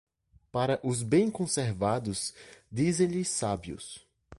Para os bem conservados dizem-lhe sábios.